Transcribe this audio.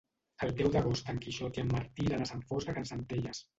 El deu d'agost en Quixot i en Martí iran a Sant Fost de Campsentelles.